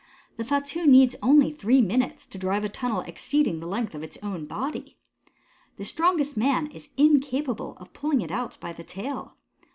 The Fatu needs only three minutes to drive a tunnel exceeding the length of its own body. The strongest man is incapable of pulling it out by the tail.